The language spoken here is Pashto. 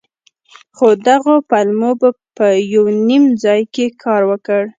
خو دغو پلمو به په يو نيم ځاى کښې کار وکړ.